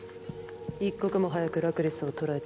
一刻も早くラクレスを捕らえたい。